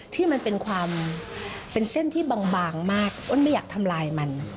ที่มันเป็นเส้นที่บางมากอ้วนไม่อยากทำลายมัน